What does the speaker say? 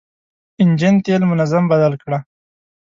انجن تېل منظم بدل کړه.